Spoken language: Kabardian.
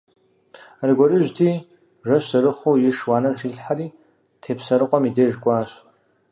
Аргуэрыжьти, жэщ зэрыхъуу иш уанэ трилъхьэри Тепсэрыкъуэм и деж кӀуащ.